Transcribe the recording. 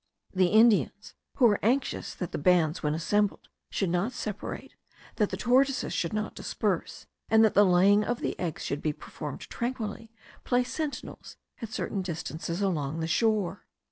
The Indians, who are anxious that the bands when assembled should not separate, that the tortoises should not disperse, and that the laying of the eggs should be performed tranquilly, place sentinels at certain distances along the shore.